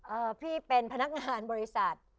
พี่เป็นพนักงานบริษัท